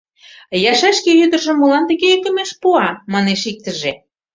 — Яшай шке ӱдыржым молан тыге ӧкымеш пуа? — манеш иктыже.